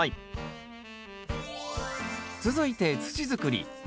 続いて土づくり。